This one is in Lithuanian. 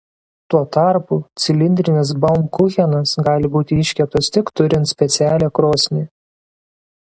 Tuo tarpu cilindrinis baumkuchenas gali būti iškeptas tik turint specialią krosnį.